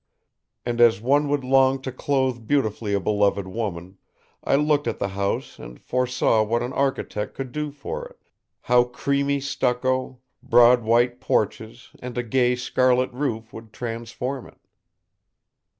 And as one would long to clothe beautifully a beloved woman, I looked at the house and foresaw what an architect could do for it; how creamy stucco; broad white porches and a gay scarlet roof would transform it.